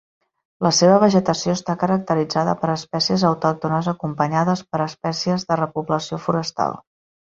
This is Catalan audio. La seva vegetació està caracteritzada per espècies autòctones acompanyades per espècies de repoblació forestal.